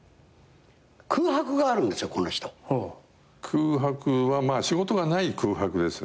空白はまあ仕事がない空白ですよね。